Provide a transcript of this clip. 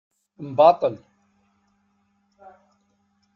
Mbaṭel.